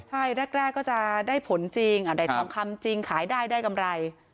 ใช่แรกก็จะได้ผลจริงได้ทองคำจริงขายได้ได้กำไร